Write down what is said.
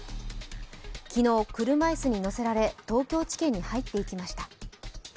昨日、車椅子に乗せられ、東京地検に入っていきました。